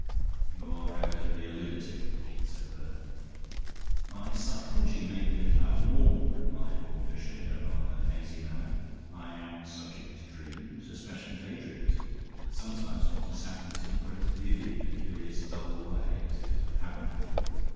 "You are evidently a lunatic," said Verner. "My psychology may be a little abnormal," replied Horne Fisher, in a rather hazy manner. "I am subject to dreams, especially day dreams. Sometimes what is happening to me grows vivid in a curious double way, as if it had happened before.